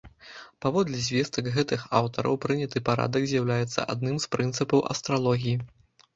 Паводле звестак гэтых аўтараў, прыняты парадак з'яўляецца адным з прынцыпаў астралогіі.